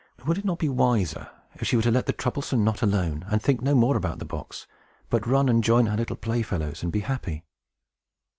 Would it not be wiser, if she were to let the troublesome knot alone, and think no more about the box, but run and join her little playfellows, and be happy?